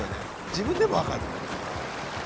自分でも分かる。